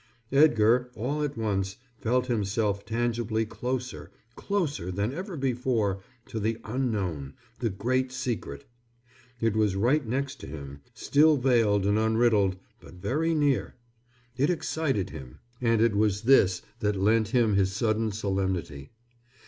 Edgar, all at once, felt himself tangibly closer, closer than ever before, to the Unknown, the Great Secret. It was right next to him, still veiled and unriddled, but very near. It excited him, and it was this that lent him his sudden solemnity.